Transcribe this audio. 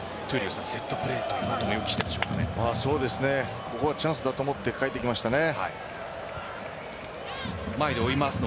セットプレーにここはチャンスだと思って代えてきましたね。